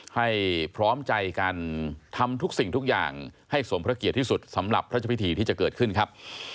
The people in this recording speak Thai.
ให้พร้อมใจกันทำทุกสิ่งทุกอย่างให้สมพระเกียรติที่สุดสำหรับพระเจ้าพิธีที่จะเกิดขึ้นครับ